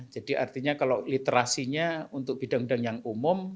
jadi artinya kalau literasinya untuk bidang bidang yang umum